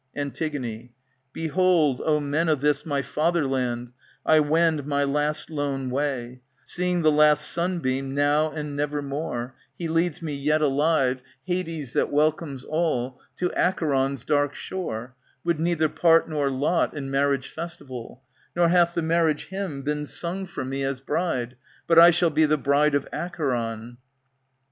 Jiitig. Behold, O men of this my fatherland, I wend my last lone way, Seeing the last sunbeam, now and nevermore ;"^^ He leads me yet alive, k6S ANTIGONE Hades that welcomes iil^ To Acheron's dark shore, With neither part nor lot In marriage festival, Nor hath the marriage hymn Been sung for me as bride, But I shall be the bride of Acheron.